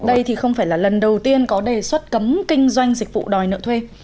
đây thì không phải là lần đầu tiên có đề xuất cấm kinh doanh dịch vụ đòi nợ thuê